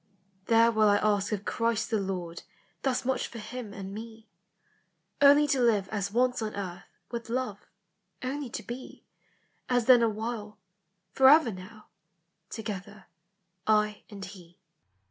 " There will T ask of Christ the Lord Thus much for him and me :— Only to live as once on earth With Love, — only to be, As* then awhile, forever now Together, I and he."